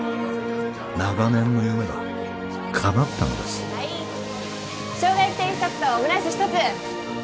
長年の夢がかなったのです生姜焼き定２つとオムライス１つ